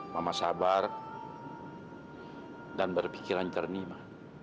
mama sabar dan berpikiran jernih ma